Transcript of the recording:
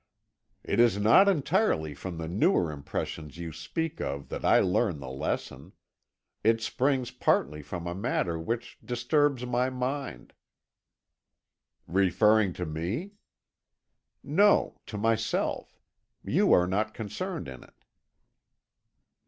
"It is not entirely from the newer impressions you speak of that I learn the lesson. It springs partly from a matter which disturbs my mind." "Referring to me?" "No, to myself. You are not concerned in it."